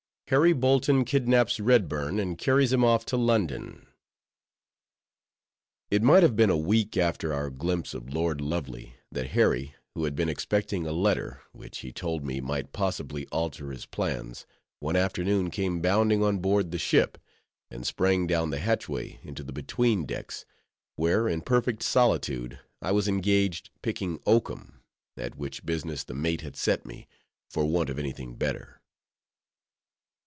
HARRY BOLTON KIDNAPS REDBURN, AND CARRIES HIM OFF TO LONDON It might have been a week after our glimpse of Lord Lovely, that Harry, who had been expecting a letter, which, he told me, might possibly alter his plans, one afternoon came bounding on board the ship, and sprang down the hatchway into the between decks, where, in perfect solitude, I was engaged picking oakum; at which business the mate had set me, for want of any thing better.